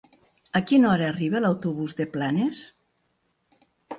A quina hora arriba l'autobús de Planes?